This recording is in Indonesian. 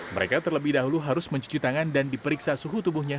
mereka terlebih dahulu harus mencuci tangan dan diperiksa suhu tubuhnya